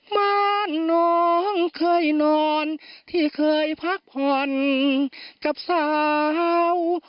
บ้านน้องเคยนอนที่เคยพักผ่อนกับสาว